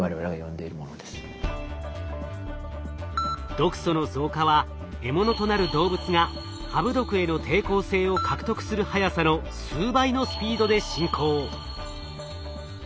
毒素の増加は獲物となる動物がハブ毒への抵抗性を獲得する速さの数倍のスピードで進行。